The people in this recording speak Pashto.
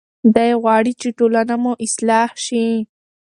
دی غواړي چې ټولنه مو اصلاح شي.